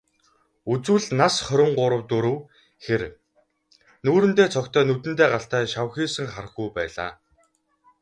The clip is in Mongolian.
Үзвэл, нас хорин гурав дөрөв хэр, нүүрэндээ цогтой, нүдэндээ галтай, шавхийсэн хархүү байлаа.